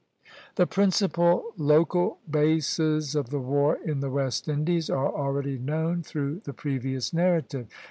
The principal local bases of the war in the West Indies are already known through the previous narrative.